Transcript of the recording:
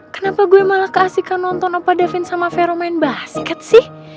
kenapa gue malah keasikan nonton apa davin sama vero main basket sih